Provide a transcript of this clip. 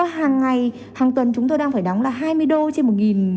hàng ngày hàng tuần chúng tôi đang phải đóng là hai mươi đô trên một nghìn đô bảo hiểm